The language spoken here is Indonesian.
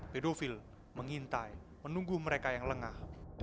pedofil mengintai menunggu mereka yang lengah